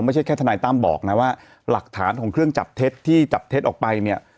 ไม่ใช่แค่ทนายตั้มบอกนะว่าหลักฐานของเครื่องจับเท็จที่จับเท็จออกไปเนี่ย